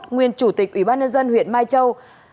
nguyên chủ tịch ủy ban nhân dân huyện mai châu